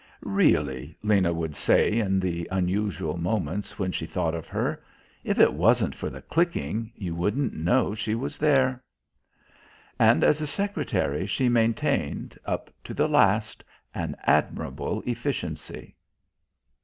"Really," Lena would say in the unusual moments when she thought of her, "if it wasn't for the clicking, you wouldn't know she was there." And as a secretary she maintained, up to the last, an admirable efficiency.